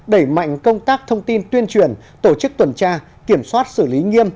đẩy mạnh công tác thông tin tuyên truyền tổ chức tuần tra kiểm soát xử lý nghiêm